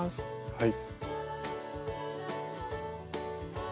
はい。